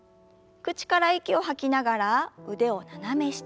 口から息を吐きながら腕を斜め下。